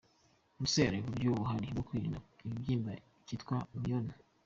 Ese hari uburyo buhari bwo kwirinda ikibyimba cyitwa Myome?.